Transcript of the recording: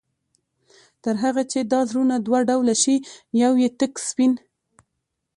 تر هغه چي دا زړونه دوه ډوله شي، يو ئې تك سپين